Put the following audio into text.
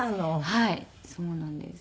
はいそうなんです。